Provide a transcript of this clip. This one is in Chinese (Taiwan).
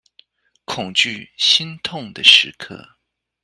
恐懼心痛的時刻